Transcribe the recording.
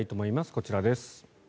こちらです。